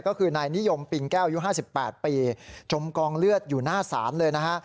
ก็คือนายนิยมปิงแก้วอายุ๕๘ปีจมกองเลือดอยู่หน้าศาลเลยนะฮะ